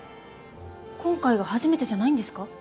今回が初めてじゃないんですか？